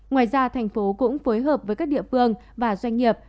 ngoài ra tp hcm cũng phối hợp với các địa phương và doanh nghiệp